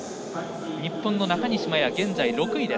日本の中西麻耶、現在６位。